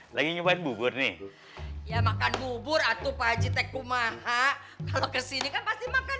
lagi nyobain bubur nih ya makan bubur atuh pak ajit teku maha kalau kesini pasti makan